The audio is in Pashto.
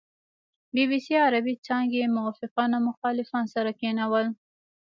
بي بي سي عربې څانګې موافقان او مخالفان سره کېنول.